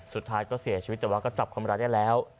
สุดท้ายก็เสียชีวิตแต่ว่าก็จับคนร้ายได้แล้ว